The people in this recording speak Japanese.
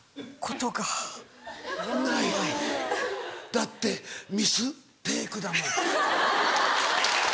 だってミステイクだもん。